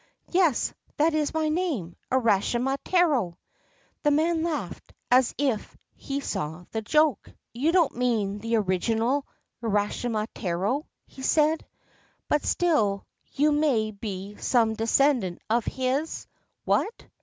' Yes, that is my name : Urashima Taro I ' The man laughed, as if he saw the joke. URASHIMA TARO ' You don't mean the original Urashima Taro ?' he said. ' But still, you may be some descendant of his what